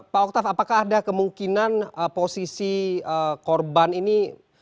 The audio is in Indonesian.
pak oktav apakah ada kemungkinan posisi korban ini